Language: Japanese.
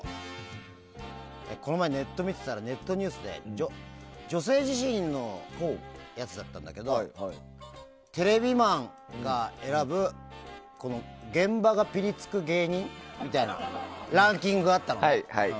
この前、ネット見てたらネットニュースで「女性自身」のやつだったんだけどテレビマンが選ぶ現場がぴりつく芸人みたいなランキングがあったの。